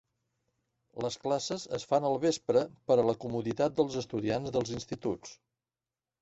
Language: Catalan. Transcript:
Les classes es fan al vespre per a la comoditat dels estudiants dels instituts.